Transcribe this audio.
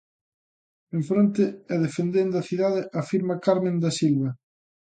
En fronte, e defendendo a cidade, afirma Carmen da Silva.